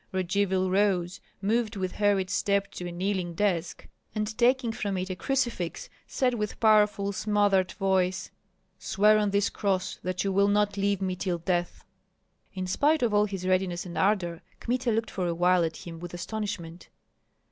Radzivill rose, moved with hurried step to a kneeling desk, and taking from it a crucifix, said with powerful, smothered voice, "Swear on this cross that you will not leave me till death." In spite of all his readiness and ardor, Kmita looked for a while at him with astonishment.